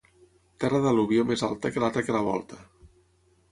Terra d'al·luvió més alta que l'altra que la volta.